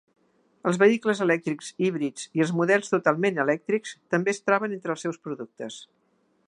Els vehicles elèctrics híbrids i els models totalment elèctrics també es troben entre els seus productes.